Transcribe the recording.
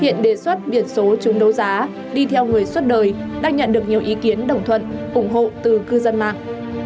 hiện đề xuất biển số chúng đấu giá đi theo người suốt đời đang nhận được nhiều ý kiến đồng thuận ủng hộ từ cư dân mạng